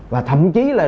và thậm chí là